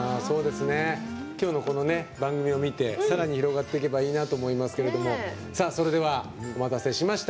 今日の番組を見てさらに広がっていけばいいなと思いますけどもそれでは、お待たせしました。